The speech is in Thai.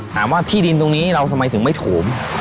ว่าที่ดินตรงนี้เราทำไมถึงไม่โถม